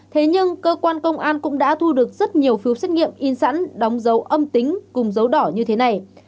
thế nhưng cơ quan công an cũng đã thu được rất nhiều phiếu xét nghiệm in sẵn đóng dấu âm tính cùng dấu đỏ như thế này